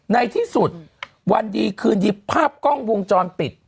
ในที่สุดวันดีคืนดีภาพกล้องวงจรปิด